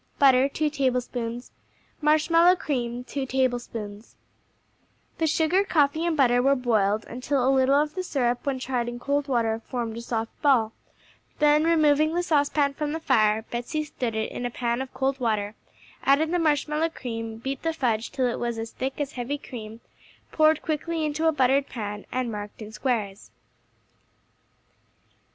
Butter, 2 tablespoons Marshmallow cream, 2 tablespoons The sugar, coffee and butter were boiled until a little of the syrup when tried in cold water formed a soft ball, then removing the saucepan from the fire, Betsey stood it in a pan of cold water, added the marshmallow cream, beat the fudge till it was as thick as heavy cream, poured quickly into a buttered pan and marked in squares.